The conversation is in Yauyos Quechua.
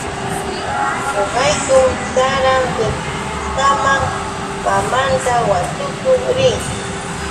Ñuqayku saram qipikushqakamam mamaata watukuu rii.